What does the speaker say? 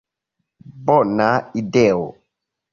Bona ideo.